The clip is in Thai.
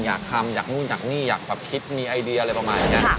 อยากทำอยากนู่นอยากนี่อยากแบบคิดมีไอเดียอะไรประมาณอย่างนี้